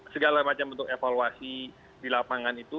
segala macam bentuk evaluasi di lapangan itu